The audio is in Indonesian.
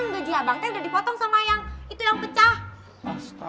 mau apa punya duit